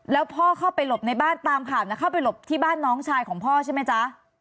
แล้วพ่อเข้าไปหลบในบ้านตามข่าวนะเข้าไปหลบที่บ้านน้องชายของพ่อใช่ไหมจ๊ะ